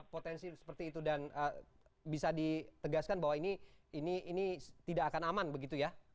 potensi seperti itu dan bisa ditegaskan bahwa ini tidak akan aman begitu ya